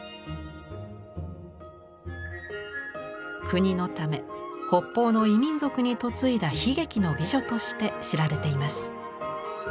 国のため北方の異民族に嫁いだ悲劇の美女として知られています。